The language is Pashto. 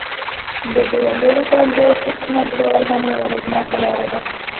د بیلابیلو ښوونیزو کورسونو جوړول هم یوه اغیزناکه لاره ده.